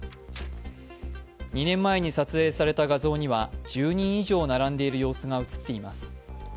２年前に撮影された画像には１０人以上並んでいる様子が写っています。